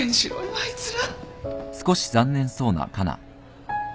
あいつら。